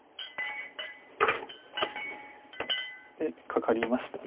カカりました。